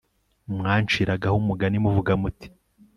mwanciragaho umugani muvuga muti